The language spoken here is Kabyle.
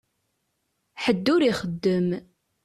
Ḥedd ur ixeddem.